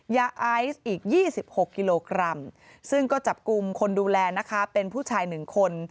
ยาไอซ์อีก๒๖กิโลกรัมซึ่งก็จับกลุ่มคนดูแลนะคะเป็นผู้ชาย๑คน